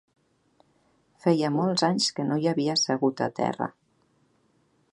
Feia molts anys que no hi havia segut a terra